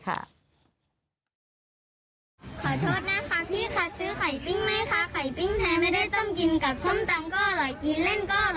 เอ่อเห่อ